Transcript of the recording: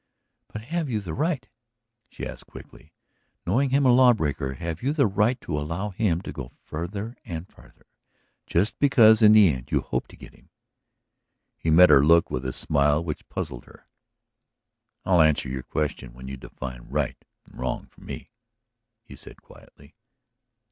"But have you the right?" she asked quickly. "Knowing him a lawbreaker, have you the right to allow him to go farther and farther, just because in the end you hope to get him?" He met her look with a smile which puzzled her. "I'll answer your question when you define right and wrong for me," he said quietly.